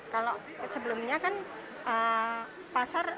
kalau sebelumnya kan pasar